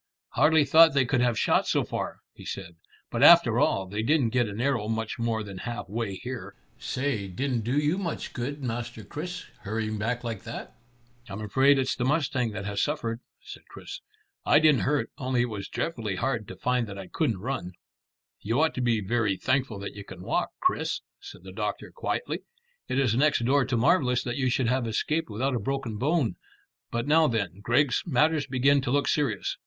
"Hardly thought they could have shot so far," he said; "but after all, they didn't get an arrow much more than half way here. Say, didn't do you much good, Master Chris, hurrying back like that." "I'm afraid it's the mustang that has suffered," said Chris. "I didn't hurt, only it was dreadfully hard to find that I couldn't run." "You ought to be very thankful that you can walk, Chris," said the doctor quietly. "It is next door to marvellous that you should have escaped without a broken bone. But now then, Griggs, matters begin to look serious.